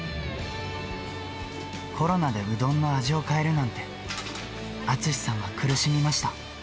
コロナでうどんの味を変えるなんて、厚さんは苦しみました。